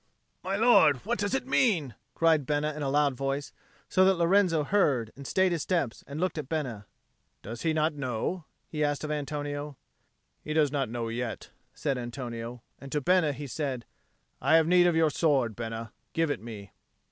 "My lord, what does it mean?" cried Bena in a loud voice, so that Lorenzo heard and stayed his steps and looked at Bena. "Does he not know?" he asked of Antonio. "He does not know yet," said Antonio. And to Bena he said, "I have need of your sword, Bena. Give it me."